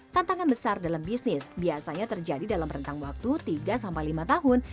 tantangan besar dalam bisnis biasanya terjadi dalam rentang waktu tiga lima tahun